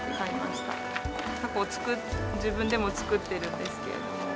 たこを自分でも作ってるんですけれども。